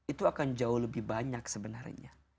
itu akan jauh lebih banyak sebenarnya